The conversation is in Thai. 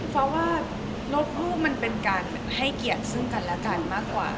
เพราะว่าลบรูปมันเป็นการให้เกียรติซึ่งกันและกันมากกว่า